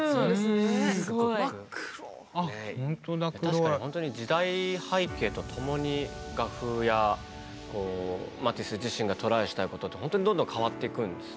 確かにほんとに時代背景とともに画風やマティス自身がトライしたいことってほんとにどんどん変わっていくんですね。